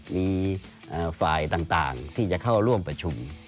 มีฝ่ายต่างที่จะเข้าร่วมประชุม